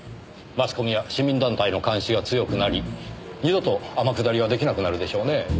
マスコミや市民団体の監視が強くなり二度と天下りは出来なくなるでしょうねぇ。